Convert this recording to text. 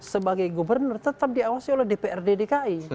sebagai gubernur tetap diawasi oleh dprd dki